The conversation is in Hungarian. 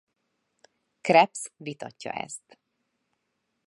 Krebs vitatja ezt.